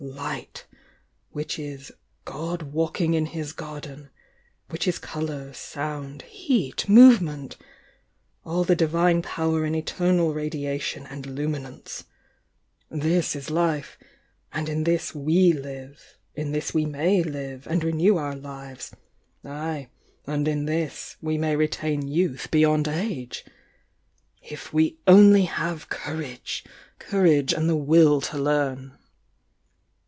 Light!— which is 'God walking in His garden,'— which is colour, sound, heat, movement— all the Divine Power in eternal ra diation and luminance!— this is Life;— and m this y,g live,— in this we may live, and renew our uves, —ay, and in this we may retain youth beyond age! If we only have courage!— courage and the will to learn!"